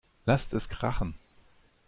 Lasst es krachen!